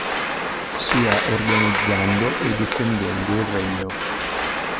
Sia organizzando e difendendo il Regno.